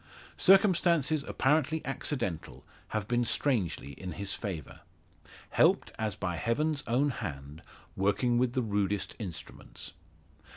Circumstances apparently accidental have been strangely in his favour. Helped as by Heaven's own hand, working with the rudest instruments.